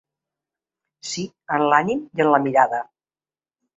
Sí, en l’ànim i en la mirada.